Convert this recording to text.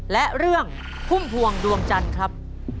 และเรื่องพุ่มพวงดวงจันทร์ครับ